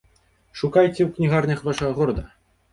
Шукайце ў кнігарнях вашага горада!